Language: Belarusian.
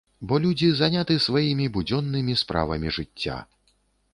Бо людзі заняты сваімі будзённымі справамі жыцця.